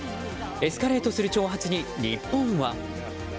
エスカレートする挑発に日本は？